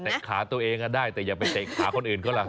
แต่ขาตัวเองได้แต่อย่าไปเตะขาคนอื่นก็ล่ะ